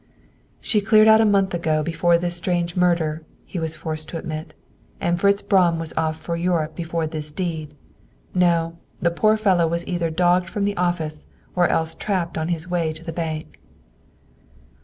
"She cleared out a month before this strange murder," he was forced to admit, "and Fritz Braun was off for Europe before this deed. No; the poor fellow was either dogged from the office, or else trapped on his way to the bank."